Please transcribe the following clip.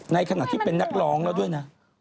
ในขณะที่เป็นนักร้องเราด้วยนะ